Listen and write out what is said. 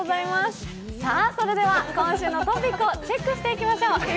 それでは今週のトピックスをチェックしていきましょう。